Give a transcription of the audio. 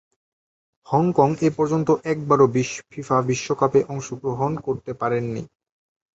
Hong Kong এপর্যন্ত একবারও FIFA বিশ্বকাপে অংশগ্রহণ করতে পারেনি।